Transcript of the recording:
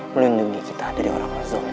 melindungi kita dari orang masuk